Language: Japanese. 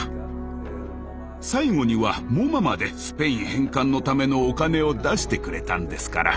最後にはＭｏＭＡまでスペイン返還のためのお金を出してくれたんですから。